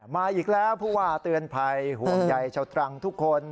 มาอีกแล้วผู้ว่าเตือนภัยห่วงใยชาวตรังทุกคน